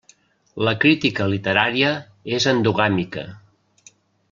La crítica literària és endogàmica.